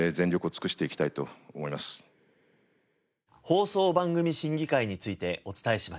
放送番組審議会についてお伝えしました。